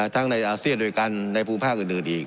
ทั้งในอาเซียโดยกันในภูมิภาพอื่นอีก